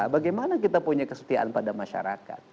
bagaimana kita punya kesetiaan pada masyarakat